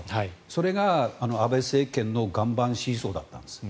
それが安倍政権の岩盤支持層だったんです。